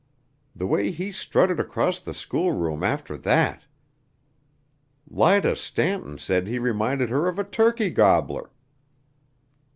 The way he strutted across the schoolroom after that! Lida Stanton said he reminded her of a turkey gobbler."